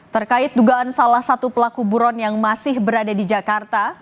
terkait dugaan salah satu pelaku buron yang masih berada di jakarta